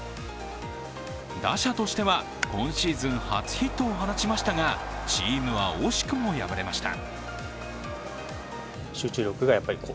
打者としては今シーズン初ヒットを放ちましたがチームは惜しくも敗れました。